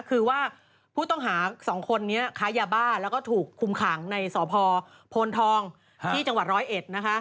คือว่าผู้ต้องหาสองคนนี้ขายบ้าแล้วก็ถูกคุมขังในสอพโพนทองที่จังหวัด๑๐๑นะคะ